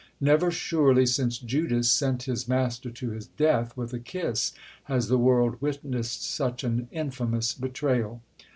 Never surely since Judas sent his Master to his death with a kiss has the world witnessed such an infamous betrayal.